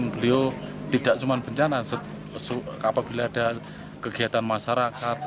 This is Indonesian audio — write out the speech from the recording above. beliau tidak cuma bencana apabila ada kegiatan masyarakat